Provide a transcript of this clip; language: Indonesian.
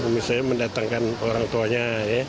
misalnya mendatangkan orang tuanya